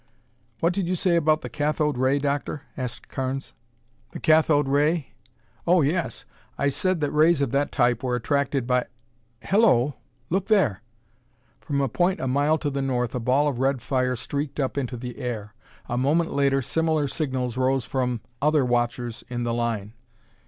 "What did you say about the cathode ray, Doctor?" asked Carnes. "The cathode ray? Oh, yes. I said that rays of that type were attracted by Hello, look there!" From a point a mile to the north a ball of red fire streaked up into the air. A moment later similar signals rose from other watchers in the line.